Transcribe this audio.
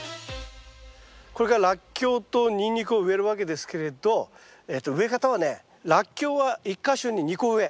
これからラッキョウとニンニクを植えるわけですけれど植え方はねラッキョウは１か所に２個植え。